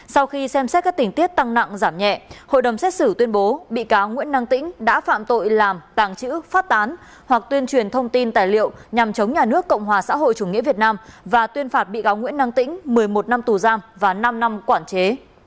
sau khi xem xét các tình tiết tăng nặng giảm nhẹ hội đồng xét xử tuyên bố bị cáo nguyễn năng tĩnh đã phạm tội làm tàng trữ phát tán hoặc tuyên truyền thông tin tài liệu nhằm chống nhà nước cộng hòa xã hội chủ nghĩa việt nam và tuyên phạt bị cáo nguyễn năng tĩnh một mươi một năm tù giam và năm năm quản chế